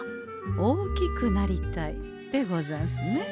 「大きくなりたい」でござんすね。